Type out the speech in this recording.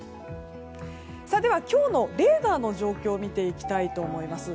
では今日のレーダーの状況を見ていきたいと思います。